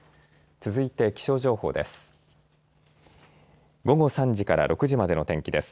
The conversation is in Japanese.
続いて気象情報です。